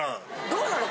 どうなの？